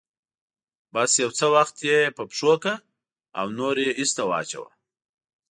بس يو څه وخت يې په پښو کړه او نور يې ايسته واچوه.